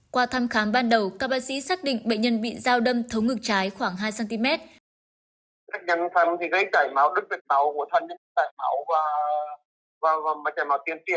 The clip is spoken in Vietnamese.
qua thăm khám ban đầu các bác sĩ xác định bệnh nhân bị dao đâm thấu ngực trái khoảng hai cm